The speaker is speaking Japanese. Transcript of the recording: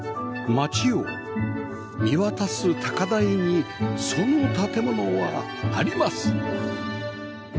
街を見渡す高台にその建物はあります